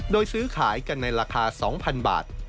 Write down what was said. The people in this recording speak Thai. โดยซื้อขายกันในราคา๒๐๐๐บาท